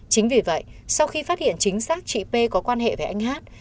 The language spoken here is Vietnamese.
chính vì vậy sau khi phát hiện chính xác chị p có quan hệ với anh hát